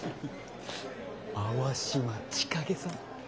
淡島千景さん。